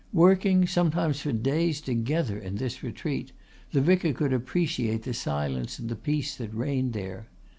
Working, sometimes for days together, in this retreat, the vicar could appreciate the silence and the peace that reigned there.